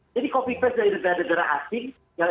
jadi copy paste dari negara negara asing